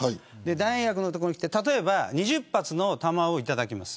弾薬の所に来て例えば２０発の弾をいただきます。